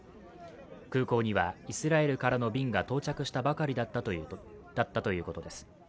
空港にはイスラエルからの便が到着したばかりだったということです。